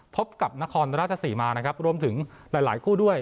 พบกับนครราชสีมานะครับรวมถึงหลายคู่ด้วย